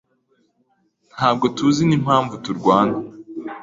Ntabwo tuzi n'impamvu turwana.